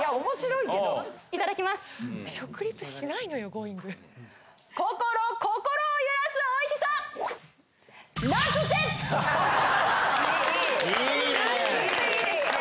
いいね！